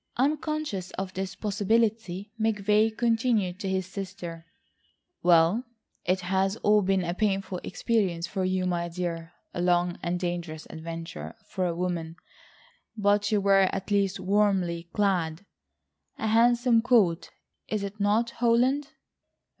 Unconscious of this possibility, McVay continued to his sister: "Well, it has all been a painful experience for you, my dear ... a long and dangerous adventure for a woman, but you were at least warmly clad. A handsome coat, is it not, Holland?"